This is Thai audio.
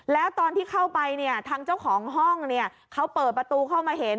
แล้วตอนที่เข้าไปเนี่ยทางเจ้าของห้องเนี่ยเขาเปิดประตูเข้ามาเห็น